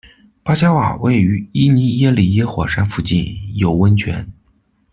巴贾瓦位于伊尼耶里耶火山附近，有温泉。